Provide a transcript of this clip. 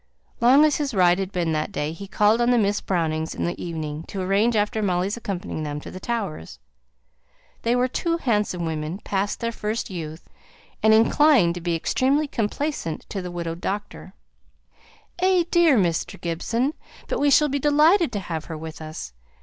Long as his ride had been that day, he called on the Miss Brownings in the evening, to arrange about Molly's accompanying them to the Towers. They were tall handsome women, past their first youth, and inclined to be extremely complaisant to the widowed doctor. "Eh dear! Mr. Gibson, but we shall be delighted to have her with us.